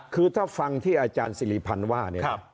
คือถ้าฟังที่อาจารย์ศิลปันว่า